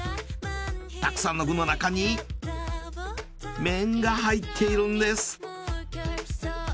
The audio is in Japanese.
たくさんの具の中に麺が入っているんです。